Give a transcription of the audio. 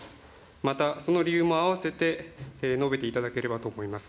またその理由も併せて、述べていただければと思います。